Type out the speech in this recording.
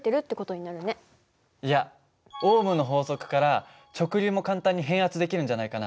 いやオームの法則から直流も簡単に変圧できるんじゃないかな。